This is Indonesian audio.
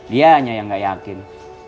dia hanya yang gak yakin